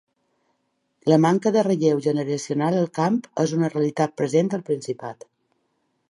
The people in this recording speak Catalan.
La manca de relleu generacional al camp és una realitat present al Principat.